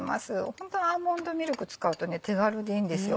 ホントアーモンドミルク使うと手軽でいいんですよ